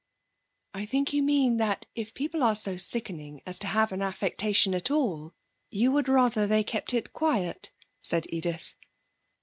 'I think you mean that if people are so sickening as to have an affectation at all, you would rather they kept it quiet,' said Edith.